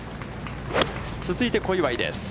続いて小祝です。